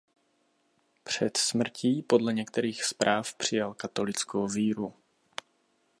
Před smrtí podle některých zpráv přijal katolickou víru.